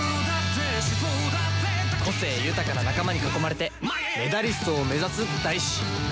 個性豊かな仲間に囲まれてメダリストを目指す大志。